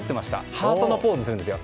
ハートのポーズするんですよ。